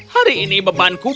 hari ini beban kubu